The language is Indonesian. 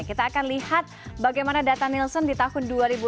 kita akan lihat bagaimana data nielsen di tahun dua ribu dua puluh